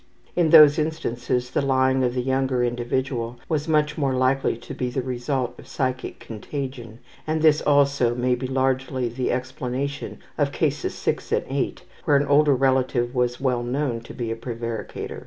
In those instances the lying of the younger individual was much more likely to be the result of psychic contagion, and this also may be largely the explanation of Cases 6 and 8, where an older relative was well known to be a prevaricator.